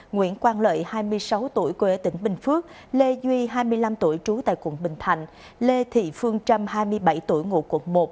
nguyễn quang lợi hai mươi sáu tuổi quê tỉnh bình phước lê duy hai mươi năm tuổi trú tại quận bình thạnh lê thị phương trâm hai mươi bảy tuổi ngụ quận một